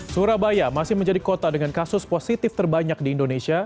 surabaya masih menjadi kota dengan kasus positif terbanyak di indonesia